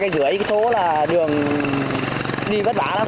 khoảng hai năm km là đường đi bất bả lắm